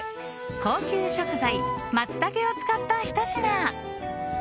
高級食材マツタケを使ったひと品。